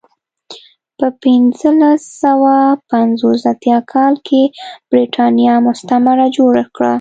په پنځلس سوه پنځه اتیا کال کې برېټانیا مستعمره جوړه کړه.